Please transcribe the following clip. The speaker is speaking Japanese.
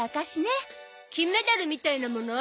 金メダルみたいなもの？